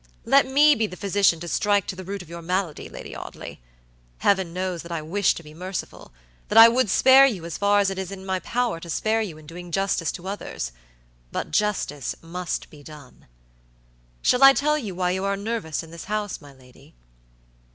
Let me be the physician to strike to the root of your malady, Lady Audley. Heaven knows that I wish to be mercifulthat I would spare you as far as it is in my power to spare you in doing justice to othersbut justice must be done. Shall I tell you why you are nervous in this house, my lady?"